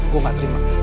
gue nggak terima